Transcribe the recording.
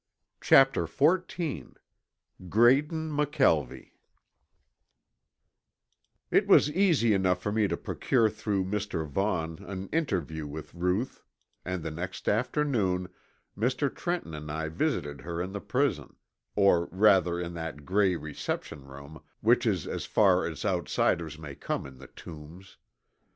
CHAPTER XIV GRAYDON MCKELVIE It was easy enough for me to procure through Mr. Vaughn an interview with Ruth and the next afternoon Mr. Trenton and I visited her in the prison, or rather in that gray reception room which is as far as outsiders may come in the Tombs.